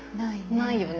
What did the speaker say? ないよね。